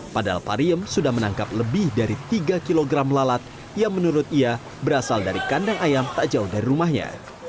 padahal pariem sudah menangkap lebih dari tiga kg lalat yang menurut ia berasal dari kandang ayam tak jauh dari rumahnya